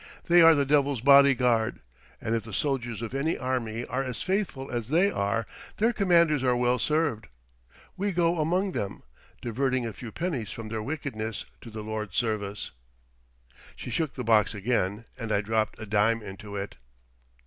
They are the devil's body guard, and if the soldiers of any army are as faithful as they are, their commanders are well served. We go among them, diverting a few pennies from their wickedness to the Lord's service." She shook the box again and I dropped a dime into it.